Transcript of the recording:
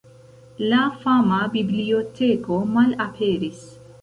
La fama biblioteko malaperis.